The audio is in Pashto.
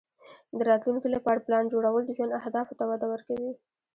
د راتلونکې لپاره پلان جوړول د ژوند اهدافو ته وده ورکوي.